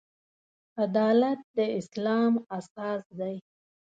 عدالت د اسلام اساس دی.